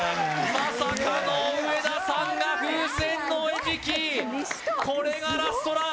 まさかの上田さんが風船の餌食・西川くんすごっこれがラストラン